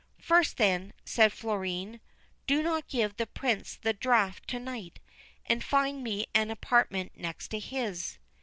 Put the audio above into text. ' First, then,' said Florine, ' do not give the Prince the draught to night ; and find me an apartment next to his.'